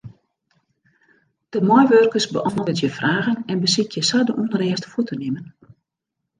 De meiwurkers beäntwurdzje fragen en besykje sa de ûnrêst fuort te nimmen.